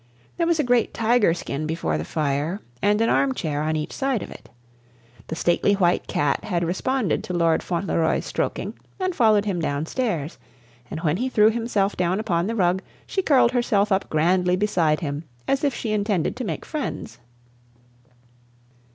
There was a great tiger skin before the fire, and an arm chair on each side of it. The stately white cat had responded to Lord Fauntleroy's stroking and followed him downstairs, and when he threw himself down upon the rug, she curled herself up grandly beside him as if she intended to make friends.